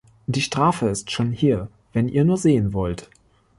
Die Strafe ist schon hier, wenn ihr nur sehen wollt.